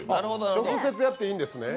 直接やっていいんですね。